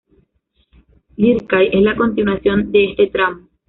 Lircay es la continuación de este tramo.